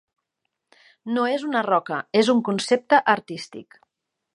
No és una roca, és un concepte artístic.